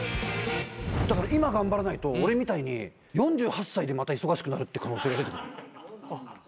だから今頑張らないと俺みたいに４８歳でまた忙しくなるって可能性が出てくる。